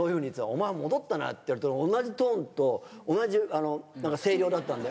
「お前戻ったな」って同じトーン同じ声量だったんで。